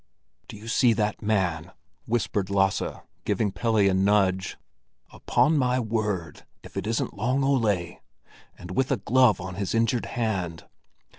"Do you see that man?" whispered Lasse, giving Pelle a nudge. "Upon my word, if it isn't Long Ole—and with a glove on his injured hand.